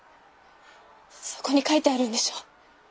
そこに書いてあるんでしょ？